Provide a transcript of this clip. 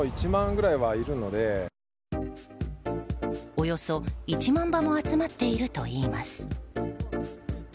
およそ１万羽も集まっているといいます。